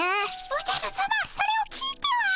おじゃるさまそれを聞いては。